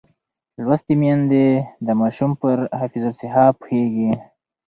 لوستې میندې د ماشوم پر حفظ الصحه پوهېږي.